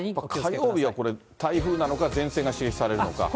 火曜日はこれ、台風なのか前線が刺激されるのか。